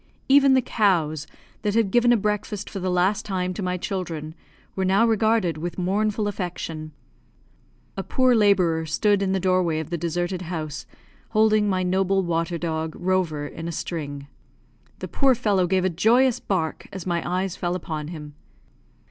Even the cows, that had given a breakfast for the last time to my children, were now regarded with mournful affection. A poor labourer stood in the doorway of the deserted house, holding my noble water dog, Rover, in a string. The poor fellow gave a joyous bark as my eyes fell upon him.